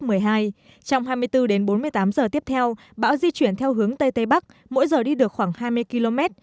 trong hai mươi bốn đến bốn mươi tám giờ tiếp theo bão di chuyển theo hướng tây tây bắc mỗi giờ đi được khoảng hai mươi km